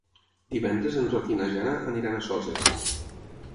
Divendres en Roc i na Jana aniran a Soses.